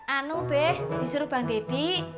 anu beh disuruh bang deddy